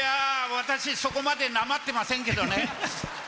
私、そこまでなまってませんけどね。